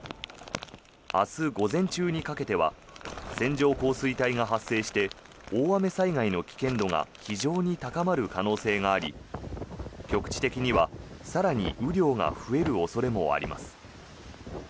明日午前中にかけては線状降水帯が発生して大雨災害の危険度が非常に高まる可能性があり局地的には更に雨量が増える恐れもあります。